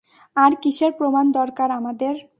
আর কিসের প্রমাণ দরকার আমাদের!